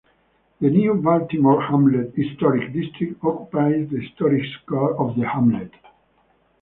The New Baltimore Hamlet Historic District occupies the historic core of the hamlet.